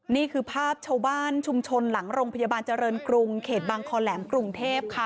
นี่คือภาพชาวบ้านชุมชนหลังโรงพยาบาลเจริญกรุงเขตบางคอแหลมกรุงเทพค่ะ